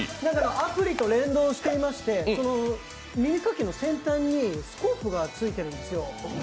アプリと連動していまして、耳かきの先端にスコープが付いてるんですよ。